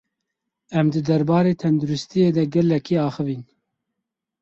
Em di derbarê tendirustiyê de gelekî axivîn.